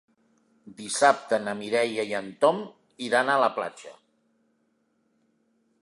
Dissabte na Mireia i en Tom iran a la platja.